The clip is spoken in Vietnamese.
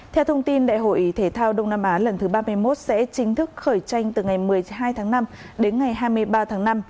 theo thông tin đại hội thể thao đông nam á lần thứ ba mươi một sẽ chính thức khởi tranh từ ngày một mươi hai tháng năm đến ngày hai mươi ba tháng năm